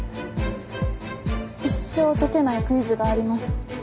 一生解けないクイズがあります。